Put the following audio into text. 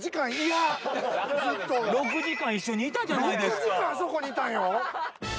６時間あそこにいたんよ。